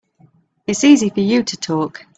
It's easy for you to talk.